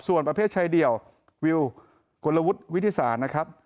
ส่วนประเภทชายเดี่ยววิวกลวุฒิวิทยาศาสตร์นะครับ